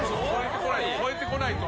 超えてこないと。